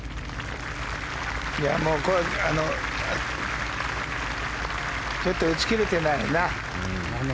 これはちょっと打ち切れていないな。